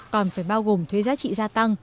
còn phải bao gồm thuế giá trị gia tăng